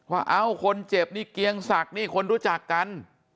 เอ้าคนเจ็บนี่เกียงศักดิ์นี่คนรู้จักกัน